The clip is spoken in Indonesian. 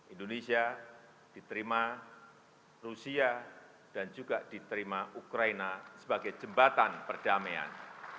indonesia diterima rusia dan juga diterima ukraina sebagai jembatan perdamaian